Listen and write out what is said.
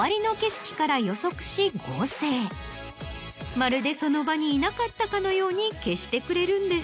まるでその場にいなかったかのように消してくれるんです。